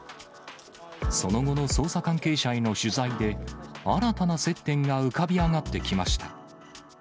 その後の捜査関係者への取材で、新たな接点が浮かび上がってきました。